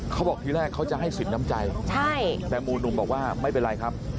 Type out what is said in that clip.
เขาบอกทีแรกเขาจะให้สินน้ำใจแต่หมู่หนุ่มบอกว่าไม่เป็นไรครับ